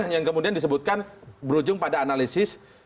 yang kemudian disebutkan berujung pada analisis